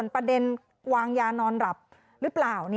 ประเด็นวางยานอนหลับหรือเปล่า